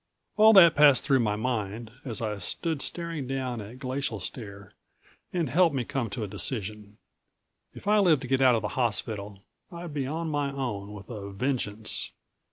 All that passed through my mind as I stood staring down at Glacial Stare and helped me come to a decision. If I lived to get out of the hospital I'd be on my own with a vengeance.